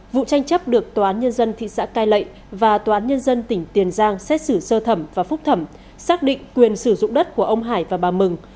vụ tranh chấp được tòa án nhân dân thị xã cai lậy và tòa án nhân dân tỉnh tiền giang xét xử sơ thẩm và phúc thẩm xác định quyền sử dụng đất của ông hải và bà mừng